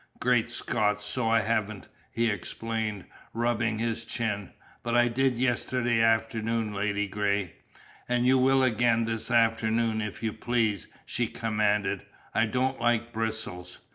"Great Scott, so I haven't!" he exclaimed, rubbing his chin. "But I did yesterday afternoon, Ladygray!" "And you will again this afternoon, if you please," she commanded. "I don't like bristles."